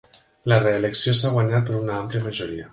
La reelecció s'ha guanyat per una ampla majoria